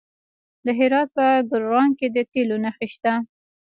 د هرات په ګلران کې د تیلو نښې شته.